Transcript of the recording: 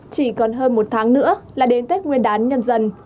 chỉ còn hơn một tháng nữa là đến tết nguyên đán nhâm dần